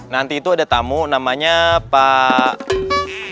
nanti itu ada tamu namanya pak